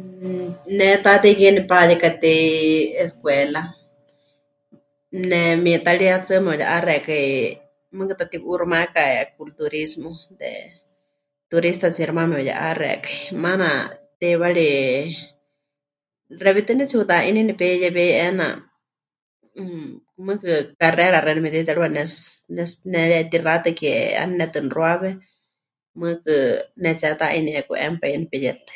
Mmm ne Taatei Kie nepayekatei escuela, nemiitari hetsɨa mepɨye'axekai, mɨɨkɨ ta pɨti'uuximayákai culturismo de..., turistatsiixi maana mepɨye'axékai, maana teiwari xewítɨ pɨnetsi'uta'ini nepeiyewei 'eena, mmm, mɨɨkɨ carrera xeeníu memɨte'iterɨwa nets... nets... neretixatɨa ke 'ánenetɨ mɨxuawe, mɨɨkɨ netsiheta'inieku 'eena pai nepeyetɨa.